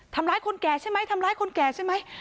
ทำร้ายคนแก่ใช่ไหมทำร้ายคนแก่ใช่ไหม